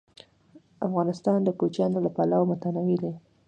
افغانستان د کوچیان له پلوه متنوع دی.